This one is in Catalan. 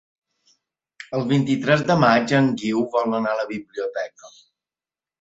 El vint-i-tres de maig en Guiu vol anar a la biblioteca.